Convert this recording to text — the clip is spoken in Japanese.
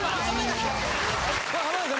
浜田さん